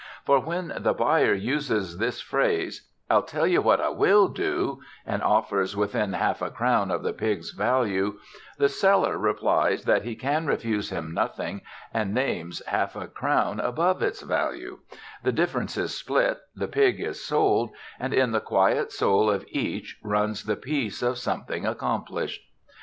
For when the buyer uses this phrase: "I'll tell you what I will do," and offers within half a crown of the pig's value, the seller replies that he can refuse him nothing, and names half a crown above its value; the difference is split, the pig is sold, and in the quiet soul of each runs the peace of something accomplished.